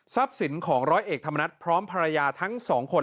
ทรัพย์สินของร้อยเอกธรรมนัฐพร้อมภรรยาทั้ง๒คน